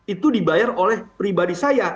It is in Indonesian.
itu dibayar oleh pribadi saya